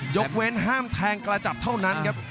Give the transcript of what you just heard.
ยกเว้นห้ามแทงกระจับเท่านั้นครับ